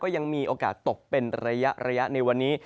ยังมีโอกาสตกเป็นระยะในวันนี้